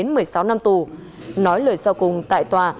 nói lời sau cùng tại tòa bị cáo ngô văn thủy xin lỗi